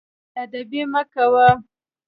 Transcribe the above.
چې بې ادبي مه کوه.